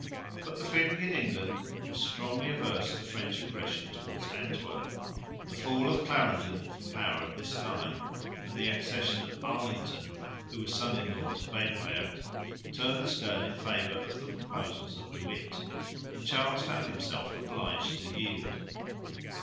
But the feeling in England was strongly averse to French aggression towards Antwerp. The fall of Clarendon from power at this time and the accession of Arlington, who was son in law to Beverweert, turned the scale in favour of the proposals of De Witt; and Charles found himself obliged to yield.